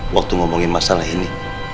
waktu ngomongin masalah ini